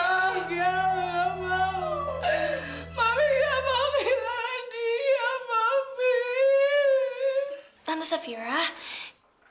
pak pi gak mau pak pi gak mau kira kira dia pak pi